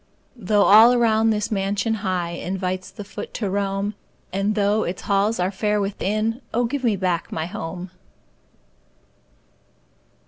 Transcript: Though all around this mansion high Invites the foot to roam, And though its halls are fair within Oh, give me back my HOME!